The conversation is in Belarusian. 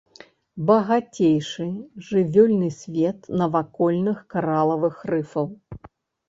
Багацейшы жывёльны свет навакольных каралавых рыфаў.